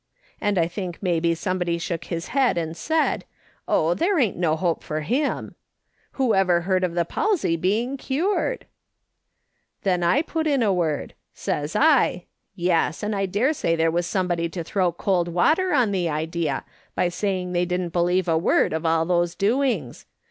And I think jnaybe somebody shook his head and said, Oh, there ain't no hope for him I Whoever heard of the palsy being cured ?'" Then I put in a word. Says I :' Yes, and I dare say there was somebody to throw cold water on the idea by saying they didn't believe a word of all these doings.